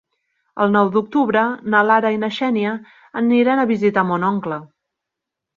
El nou d'octubre na Lara i na Xènia aniran a visitar mon oncle.